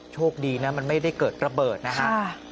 โชคดีนะมันไม่ได้เกิดระเบิดนะฮะ